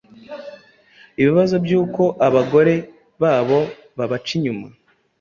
ibibazo by’uko abagore babo babaca inyuma.